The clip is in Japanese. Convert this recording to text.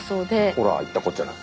ほら言ったこっちゃない。